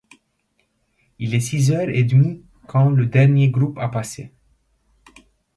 Il est six heures et demie quand le dernier groupe a passé.